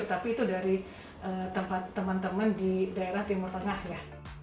tapi itu dari teman teman di daerah timur tengah ya